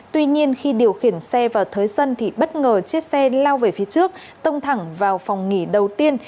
tuy nhiên khi điều khiển xe vào thới sân thì bất ngờ chiếc xe lao về phía trước tông thẳng vào phòng nghỉ đầu tiên